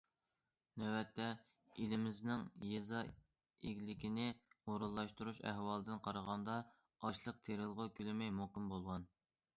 نۆۋەتتە، ئېلىمىزنىڭ يېزا ئىگىلىكىنى ئورۇنلاشتۇرۇش ئەھۋالىدىن قارىغاندا، ئاشلىق تېرىلغۇ كۆلىمى مۇقىم بولغان.